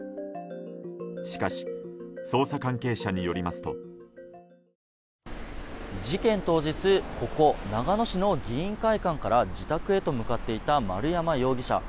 しかし捜査関係者によりますと。事件当日ここ長野市の議員会館から自宅へと向かっていた丸山容疑者。